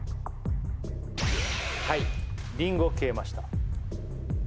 はいりんご消えました